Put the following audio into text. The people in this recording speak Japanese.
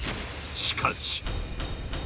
しかし！